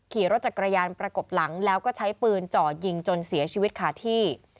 ขี่รถจักรยานประกบหลังแล้วก็ใช้ปืนจ่อยิงจนเสียชีวิตขาดที่